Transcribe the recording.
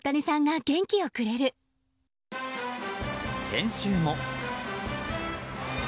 先週も。